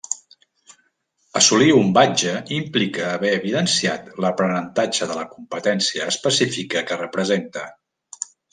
Assolir un badge implica haver evidenciat l’aprenentatge de la competència específica que representa.